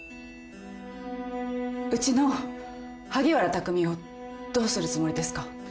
うちの萩原匠をどうするつもりですか。